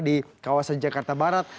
di kawasan jakarta barat